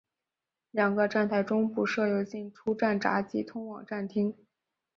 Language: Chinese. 两个站台中部设有进出站闸机通往站厅。